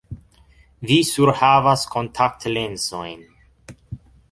Vi surhavas kontaktlensojn.